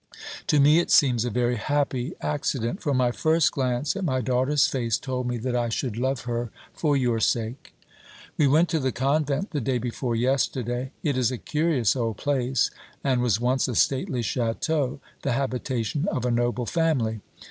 To me it seems a very happy accident; for my first glance at my daughter's face told me that I should love her for your sake. We went to the convent the day before yesterday. It is a curious old place, and was once a stately château, the habitation of a noble family.